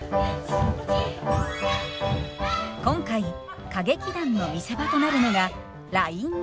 今回歌劇団の見せ場となるのがラインダンス。